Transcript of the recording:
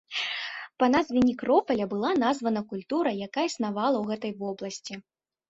Па назве некропаля была названа культура, якая існавала ў гэтай вобласці.